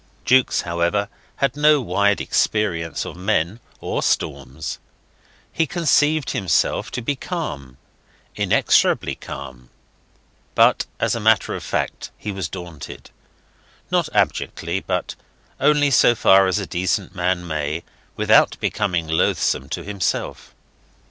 Jukes, however, had no wide experience of men or storms. He conceived himself to be calm inexorably calm; but as a matter of fact he was daunted; not abjectly, but only so far as a decent man may, without becoming loathsome to himself.